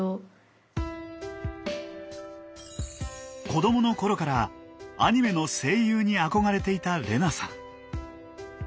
子どもの頃からアニメの声優に憧れていた玲那さん。